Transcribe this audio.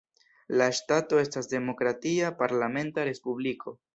La ŝtato estas demokratia, parlamenta respubliko.